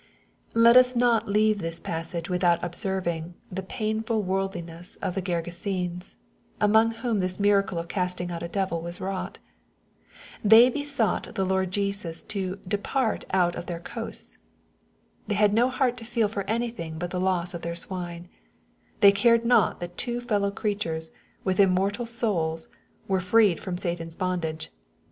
Let us not leave this passage without observing the pain/td worldlinesa of the Gergesenes, among whom this miracle of casting out a devil was wrought. They be sought the Lord Jesus to " depart out of their coasts.'' They had no heart to feel for anything but the loss of their swine. They cared not that two fellow creatures, with immortal souls, were freed from Satan's bondage.